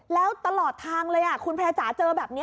แล้วตลอดทางเลยคุณแพร่จ๋าเจอแบบนี้